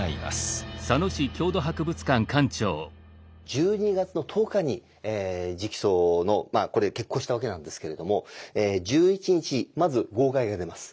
１２月の１０日に直訴のこれ決行したわけなんですけれども１１日まず号外が出ます。